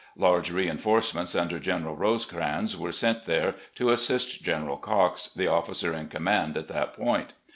Large reinforce ments under General Rosecrans were sent there to assist General Cox, the officer in command at that point.